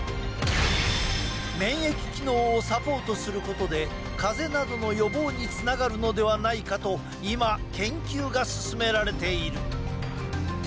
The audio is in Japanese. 免疫機能をサポートすることでかぜなどの予防につながるのではないかと今、研究が進められている。